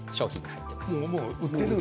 売っています。